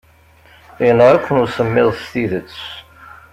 Yenɣa-ken usemmiḍ s tidet.